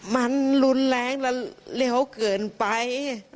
มันรุนแรงและเลวเกินไป